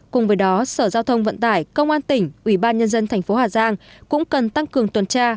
cùng với đó sở giao thông vận tải công an tỉnh ủy ban nhân dân thành phố hà giang cũng cần tăng cường tuần tra